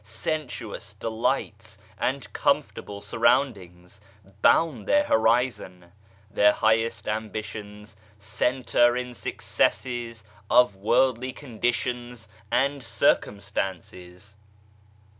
Sensuous delights and comfortable surroundings bound their horizon, their highest ambitions centre in successes of worldly conditions and circumstances